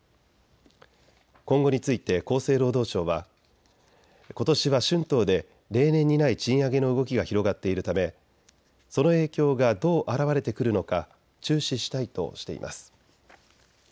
今後について厚生労働省はことしは春闘で例年にない賃上げの動きが広がっているためその影響がどう現れてくるのか注視したいとしています。